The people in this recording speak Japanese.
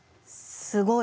すごい。